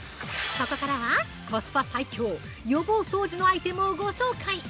ここからはコスパ最強、予防掃除のアイテムをご紹介！